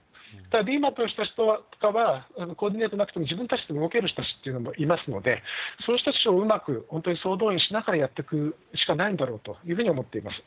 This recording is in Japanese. ＤＭＡＴの人たちとかはコーディネートなくても自分たちで動ける人たちっていうのもいますので、そういう人たちをうまく本当に総動員しながらやっていくしかないんだろうというふうに思っています。